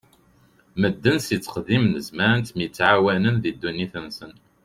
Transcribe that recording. Medden si tteqdim n zzman ttemɛawanen di ddunit-nsen.